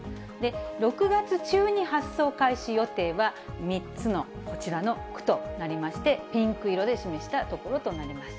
６月中に発送開始予定は、３つのこちらの区となりまして、ピンク色で示した所となります。